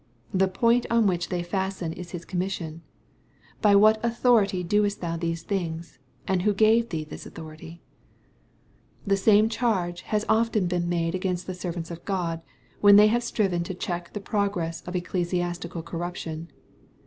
The point on which they fasten is his commission :" By what authority doest thou these things ? and who gave thee this authority ?" The same charge has often been made against the servants of God, when they have striven to check the progress of ecclesiastical corruption.